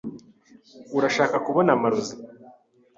Urashaka kubona amarozi?